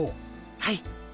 はい。